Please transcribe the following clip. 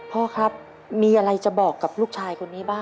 พ่อครับมีอะไรจะบอกกับลูกชายคนนี้บ้าง